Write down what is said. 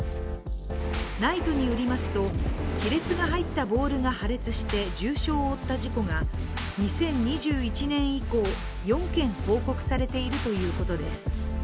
ＮＩＴＥによりますと、亀裂が入ったボールが破裂して重傷を負った事故が、２０２１年以降４件報告されているということです。